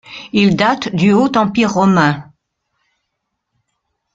Il date du Haut Empire romain.